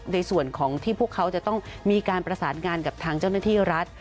ในส่วนของที่พวกเขาจะต้องมีการประสานงานกับทางเจ้าหน้าที่รัฐ